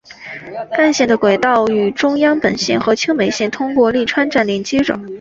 干线的轨道与中央本线和青梅线通过立川站连接着。